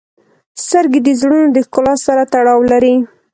• سترګې د زړونو د ښکلا سره تړاو لري.